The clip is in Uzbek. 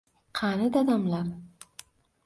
Qani dadamlar?!